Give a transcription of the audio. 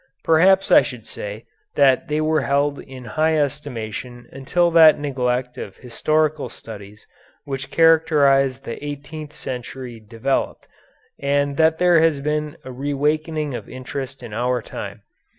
Perhaps I should say that they were held in high estimation until that neglect of historical studies which characterized the eighteenth century developed, and that there has been a reawakening of interest in our time.